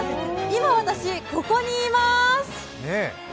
今、私ここにいます。